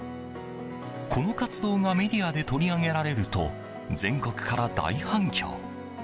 この活動がメディアで取り上げられると全国から大反響。